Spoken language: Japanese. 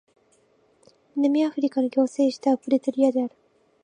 南アフリカの行政首都はプレトリアである